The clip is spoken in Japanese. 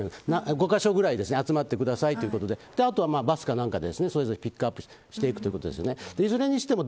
５カ所くらい集まってくださいということであとはバスか何かでそれぞれピックアップしていくということですよね。